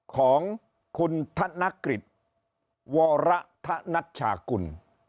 ของคุณทะนคริสต์วรรษนัทฉากุล